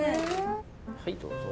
はいどうぞ。